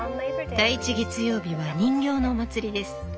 第１月曜日は人形のお祭りです。